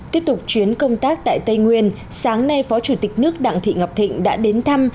tiếp tục chuyến công tác tại tây nguyên sáng nay phó chủ tịch nước đặng thị ngọc thịnh đã đến thăm